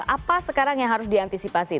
apa sekarang yang harus diantisipasi